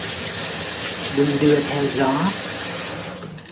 Đung đưa theo gió